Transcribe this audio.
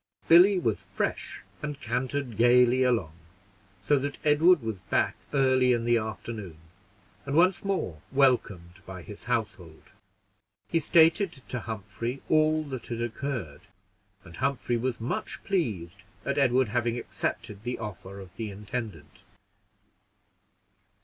Billy was fresh, and cantered gayly along, so that Edward was back early in the afternoon, and once more welcomed by his household. He stated to Humphrey all that had occurred, and Humphrey was much pleased at Edward having accepted the offer of the intendant.